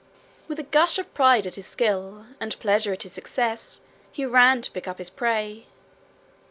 With a gush of pride at his skill, and pleasure at his success, he ran to pick up his prey.